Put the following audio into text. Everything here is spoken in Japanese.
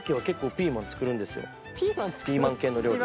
ピーマン系の料理。